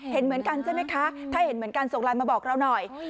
เห็นเหมือนกันใช่ไหมคะถ้าเห็นเหมือนกันส่งไลน์มาบอกเราหน่อย